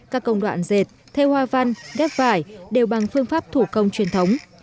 các công đoạn dệt thê hoa văn ghép vải đều bằng phương pháp thủ công truyền thống